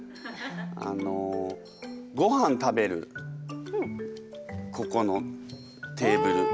あのごはん食べるここのテーブル。